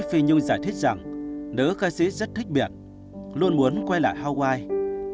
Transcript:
phi nhung giải thích rằng nữ ca sĩ rất thích biệt luôn muốn quay lại hawaii